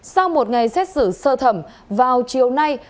sau một ngày xét xử sơ thẩm vào chiều nay